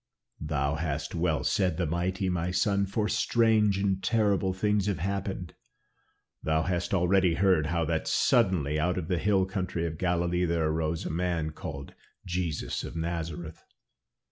"Thou hast well said the mighty, my son, for strange and terrible things have happened. Thou hast already heard how that suddenly out of the hill country of Galilee there arose a man called Jesus of Nazareth.